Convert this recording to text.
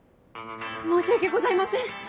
申し訳ございません！